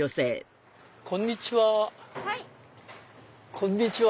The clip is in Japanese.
こんにちは。